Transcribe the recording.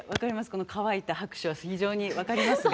この乾いた拍手は非常に分かりますが。